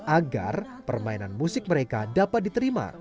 agar permainan musik mereka dapat diterima